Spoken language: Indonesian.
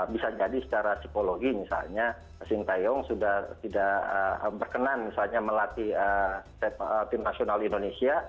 bisa jadi secara psikologi misalnya sintayong sudah tidak berkenan misalnya melatih tim nasional indonesia